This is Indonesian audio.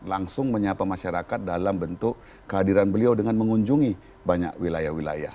langsung menyapa masyarakat dalam bentuk kehadiran beliau dengan mengunjungi banyak wilayah wilayah